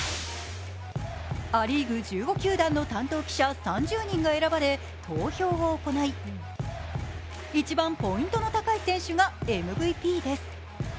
ア・リーグ１５球団の担当記者３０人が選ばれ投票を行い、一番ポイントの高い選手がＭＶＰです。